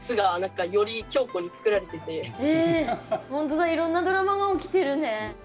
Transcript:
ほんとだいろんなドラマが起きてるね。